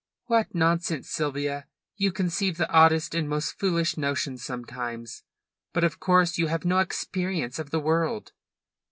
"What nonsense, Sylvia! You conceive the oddest and most foolish notions sometimes. But of course you have no experience of the world."